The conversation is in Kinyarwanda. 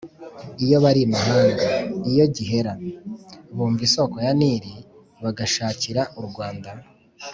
iyo bari imahanga, iyo gihera, bumva isoko ya nili bagashikira u rwanda